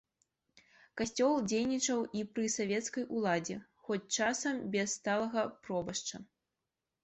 Касцёл дзейнічаў і пры савецкай уладзе, хоць часам без сталага пробашча.